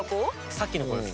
さっきの子です。